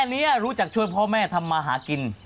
แค่เนี่ยรู้จักชวนพ่อแม่ทำมาหากิน